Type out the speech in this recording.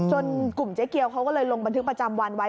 กลุ่มเจ๊เกียวเขาก็เลยลงบันทึกประจำวันไว้